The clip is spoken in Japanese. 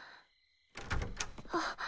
あっ。